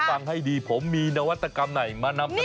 ฟังให้ดีผมมีนวัตกรรมไหนมานำเสนอ